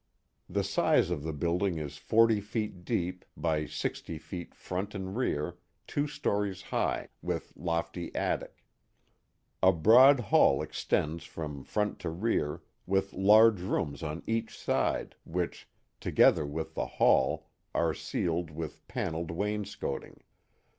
The size of the building is forty feet deep by sixty feet front and rear, two stories high, with lofty attic, A broad hall extends from front to rear, with large rooms on each side, which, together with the hall, are ceiled with pan elled wainscoting.